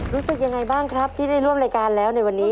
รู้สึกยังไงบ้างครับที่ได้ร่วมรายการแล้วในวันนี้